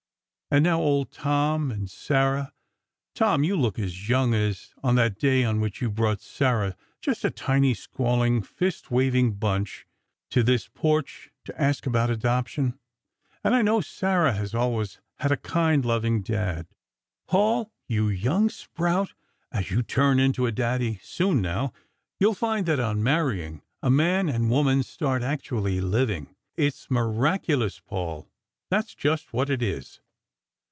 And now Old Tom and Sarah! Tom, you look as young as on that day on which you brought Sarah, just a tiny, squalling, fist waving bunch, to this porch to ask about adoption! And I know Sarah has always had a kind, loving Dad. Paul, you young sprout! As you turn into a daddy, soon now, you'll find that, on marrying, a man and woman start actually living. It's miraculous, Paul, that's just what it is."